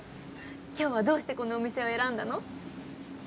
今日はどうしてこのお店を選んだの？